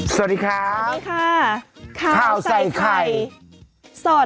สวัสดีครับสวัสดีค่ะข้าวใส่ไข่สด